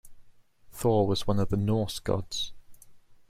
Thor was one of the Norse gods.